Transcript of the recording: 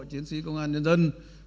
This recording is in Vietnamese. chiến sĩ công an nhân dân